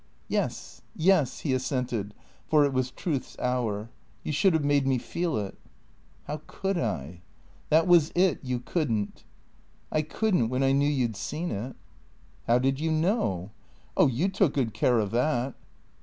"Yes, yes." He assented, for it was truth's hour. "You should have made me feel it." " How could I ?"" That was it. You could n't." " I could n't when I knew you 'd seen it." " How did you know ?"" Oh — you took good care of that."